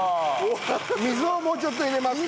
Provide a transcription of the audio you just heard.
水をもうちょっと入れますか。